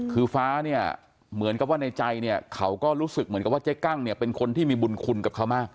คือฟ้าเนี่ยเหมือนกับว่าในใจเนี่ยเขาก็รู้สึกเหมือนกับว่าเจ๊กั้งเนี่ยเป็นคนที่มีบุญคุณกับเขามาก